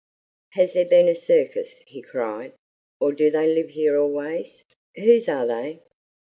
"Has there been a circus?" he cried; "or do they live here always? Whose are they?"